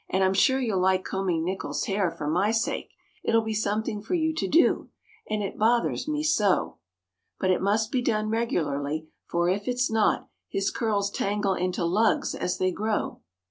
And I'm sure you'll like combing Nickel's hair for my sake; it'll be something for you to do, and it bothers me so! But it must be done regularly, for if it's not, his curls tangle into lugs as they grow.